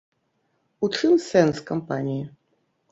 У чым сэнс кампаніі?